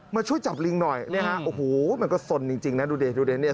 มาช่วยจับลิงหน่อยนะฮะโอ้โหมันก็สนจริงนะดูดินี่